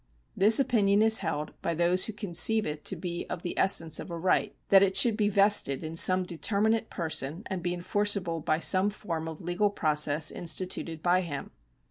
^ This opinion is held by those who conceive it to be of the essence of a right, that it should be vested in some determinate person, and be enforceable by some form of legal process instituted by him.